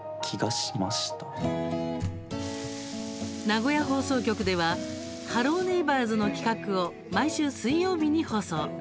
名古屋放送局では「ハロー！ネイバーズ」の企画を毎週水曜日に放送。